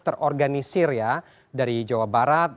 terorganisir ya dari jawa barat